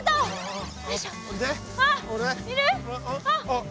あっ。